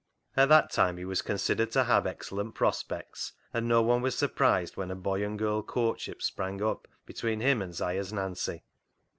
At that time he was considered to have excellent prospects, and no one was surprised when a boy and girl courtship sprang up between him and 'Siah's Nancy.